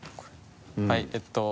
はいえっと。